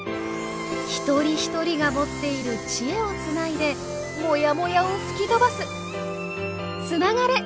一人一人が持っているチエをつないでもやもやを吹き飛ばすつながれ！